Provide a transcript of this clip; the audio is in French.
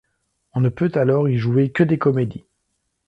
On ne peut alors y jouer que des comédies.